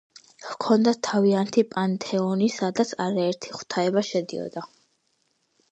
ჰქონდათ თავიანთი პანთეონი, სადაც არაერთი ღვთაება შედიოდა.